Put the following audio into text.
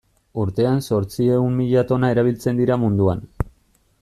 Urtean zortziehun mila tona erabiltzen dira munduan.